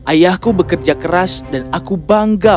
ayahku bekerja keras dan aku bangga